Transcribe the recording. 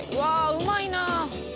うまいな！